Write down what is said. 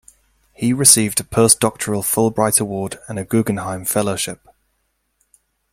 He received a post-doctoral Fulbright Award and a Guggenheim Fellowship.